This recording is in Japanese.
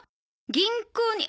銀行に。